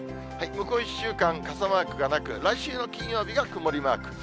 向こう１週間、傘マークがなく、来週の金曜日が曇りマーク。